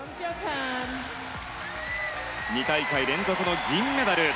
２大会連続の銀メダル。